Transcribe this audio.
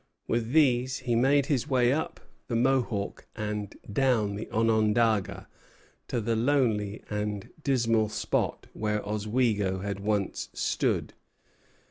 With these he made his way, up the Mohawk and down the Onondaga, to the lonely and dismal spot where Oswego had once stood.